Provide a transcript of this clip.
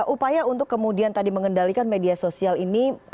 upaya untuk kemudian tadi mengendalikan media sosial ini dilakukan dengan cara apa